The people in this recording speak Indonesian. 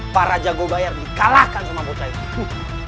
para jago bayar di kalahkan sama bocah itu